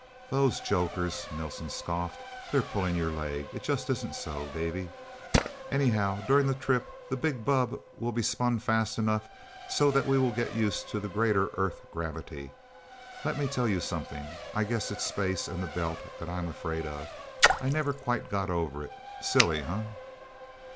"Those jokers," Nelsen scoffed. "They're pulling your leg! It just isn't so, Davy. Anyhow, during the trip, the big bubb will be spun fast enough, so that we will get used to the greater Earth gravity. Let me tell you something. I guess it's space and the Belt that I'm afraid of. I never quite got over it. Silly, huh?"